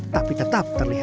tapi tetap terlihat sama